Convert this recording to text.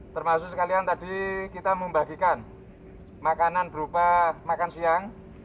termasuk sekalian tadi kita membagikan makanan berupa makan siang nasi dan minuman